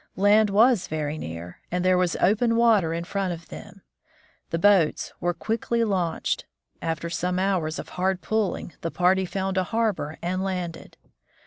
Land was very near, and there was open water in front of them. The boats were quickly launched. After some hours of hard pulling the party found a harbor and landed.